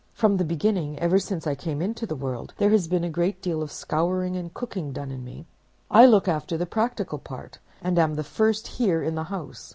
'From the beginning, ever since I came into the world, there has been a great deal of scouring and cooking done in me. I look after the practical part, and am the first here in the house.